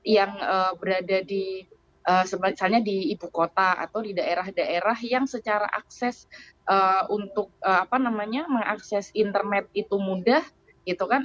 yang berada di ibu kota atau di daerah daerah yang secara akses untuk mengakses internet itu mudah gitu kan